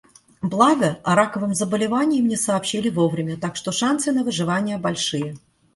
Благо, о раковом заболевании мне сообщили вовремя, так что шансы на выживание большие.